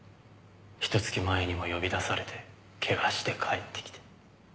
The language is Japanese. ひと月前にも呼び出されてケガして帰ってきて。